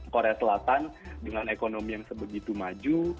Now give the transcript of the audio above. korea selatan dengan ekonomi yang sebegitu maju